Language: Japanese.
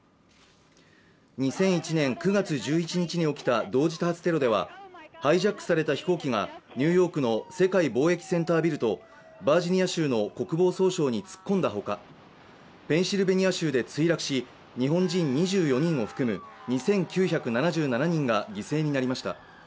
２００１年９月１１日に起きた同時多発テロではハイジャックされた飛行機がニューヨークの世界貿易センタービルとバージニア州の国防総省に突っ込んだ他、ペンシルベニア州で墜落し日本人２４人を含む２９７７人が犠牲になりました。